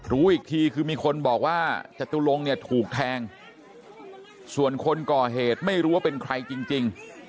รู้อีกทีคือมีคนบอกว่าจตุลงเนี่ยถูกแทงส่วนคนก่อเหตุไม่รู้ว่าเป็นใครจริง